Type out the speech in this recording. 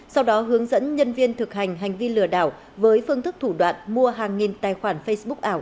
sau đó hướng dẫn nhân viên thực hành hành vi lừa đảo với phương thức thủ đoạn mua hàng nghìn tài khoản facebook ảo